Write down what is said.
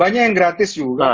banyak yang gratis juga